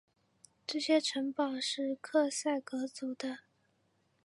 这些城堡是克塞格族的。